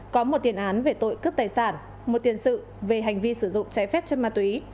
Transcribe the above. có một tiền án về tội cướp tài sản một tiền sự về hành vi sử dụng trái phép chất ma túy